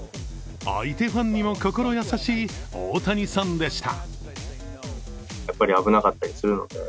相手ファンにも心優しい大谷さんでした。